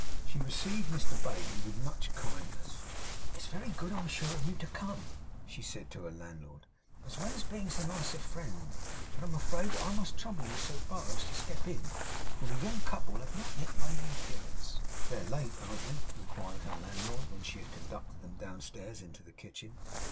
She received Mr Bailey with much kindness. 'It's very good, I'm sure, of you to come,' she said to her landlord, 'as well as bring so nice a friend. But I'm afraid that I must trouble you so far as to step in, for the young couple has not yet made appearance.' 'They're late, ain't they?' inquired her landlord, when she had conducted them downstairs into the kitchen.